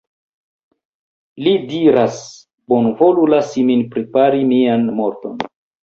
Li diras, "Bonvolu lasi min prepari mian morton.